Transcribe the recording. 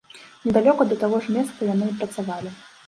Недалёка да таго ж месца яны і працавалі.